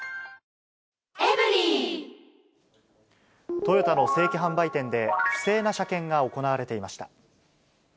トヨタの正規販売店で不正な車検が行われていました。